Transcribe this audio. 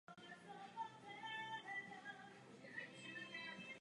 Juliet v Tennessee.